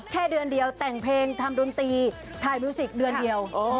แค่เดือนเดียวแต่งเพลงทำดนตรีถ่ายมิวสิกเดือนเดียว